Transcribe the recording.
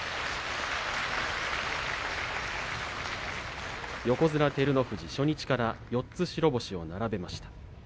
拍手横綱照ノ富士初日から４つ白星を並べました。